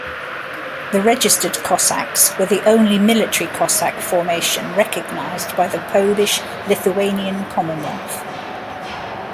The registered Cossacks were the only military Cossack formation recognized by the Polish-Lithuanian Commonwealth.